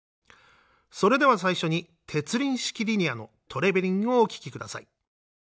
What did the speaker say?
それでは最初に鉄輪式リニアのトレベリンをお聴きください。